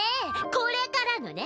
これからのね。